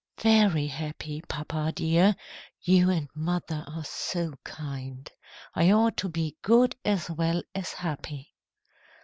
"Very happy, papa dear. You and mother are so kind! I ought to be good as well as happy."